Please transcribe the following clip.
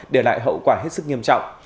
để lại hậu quả hết sức nghiêm trọng